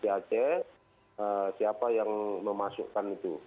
di aceh siapa yang memasukkan itu